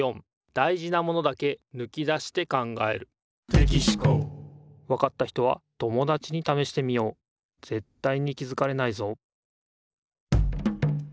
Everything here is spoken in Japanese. つまりわかった人は友だちにためしてみようぜったいに気づかれないぞ